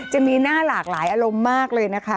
จะมีหน้าหลากหลายอารมณ์มากเลยนะคะ